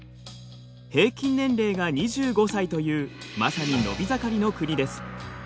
平均年齢が２５歳というまさに伸び盛りの国です。